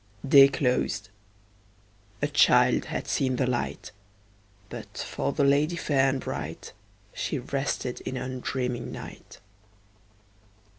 Day closed; a child had seen the light; But, for the lady fair and bright, She rested in undreaming night.